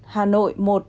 một hà nội